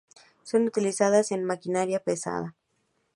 Son utilizadas en maquinaria pesada.